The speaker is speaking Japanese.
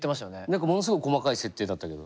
何かものすごい細かい設定だったけど。